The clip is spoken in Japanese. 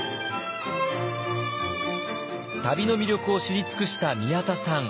旅の魅力を知り尽くした宮田さん。